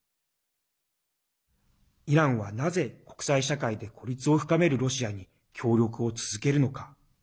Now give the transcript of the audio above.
イランは、なぜ国際社会で孤立を深めるロシアに協力を続けるのか。